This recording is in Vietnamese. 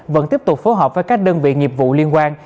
vẫn tiếp tục phối hợp với các đơn vị nghiệp vụ liên quan